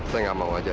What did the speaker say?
saya nggak mau wajah